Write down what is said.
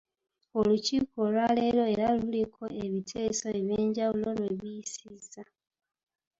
Olukiiko olwaleero era luliko ebiteeso ebyenjawulo lwe biyisiza.